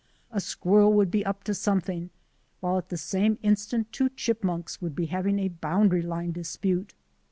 A squirrel would be up to something, while at the same in stant two chipmunks would be having a boundary line dispute.